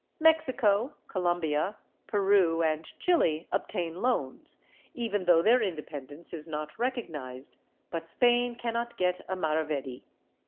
Mexico, Colombia, Peru and Chile obtain loans, even though their independence is not recognized, but Spain cannot get a maravedi.